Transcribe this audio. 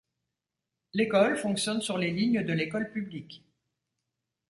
L'école fonctionne sur les lignes de l'école publique.